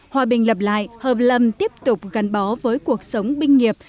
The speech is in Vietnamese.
hòa bình lập lại hợp lâm tiếp tục gắn bó với cuộc sống binh nghiệp